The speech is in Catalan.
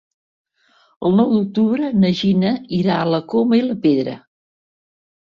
El nou d'octubre na Gina irà a la Coma i la Pedra.